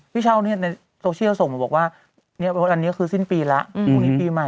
พี่เช่าในโซเชียลส่งมาบอกว่าอันนี้คือสิ้นปีแล้วพรุ่งนี้ปีใหม่